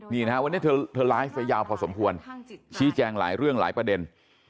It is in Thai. นี่นะฮะวันนี้เธอไลฟ์ไปยาวพอสมควรชี้แจงหลายเรื่องหลายประเด็น